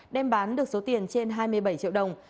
đem bán được số tiền trên hai mươi bảy triệu đồng